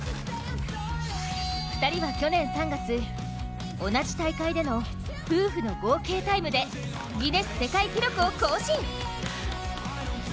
２人は去年３月、同じ大会での夫婦の合計タイムでギネス世界記録を更新。